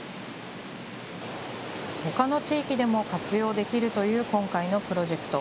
ほかの地域でも活用できるという今回のプロジェクト。